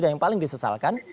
dan yang paling disesalkan